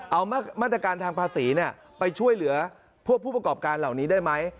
เอามาตรการทางภาษีไปช่วยเหลือพวกผู้ประกอบการเหล่านี้ได้ไหม